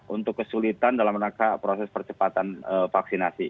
untuk kesulitan dalam rangka proses percepatan vaksinasi